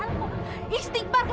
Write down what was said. aku ini yang asli